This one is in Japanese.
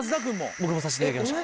僕もさせていただきました。